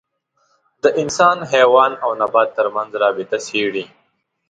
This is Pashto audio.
د انسان، حیوان او نبات تر منځ رابطه څېړي.